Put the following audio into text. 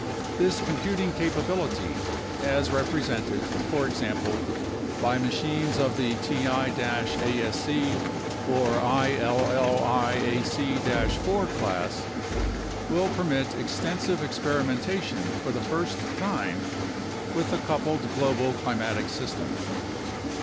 This com puting capability, as represented, for example, by machines of the ti asc or illiac 4 class, will permit extensive experimentation for the first time with the coupled global climatic system.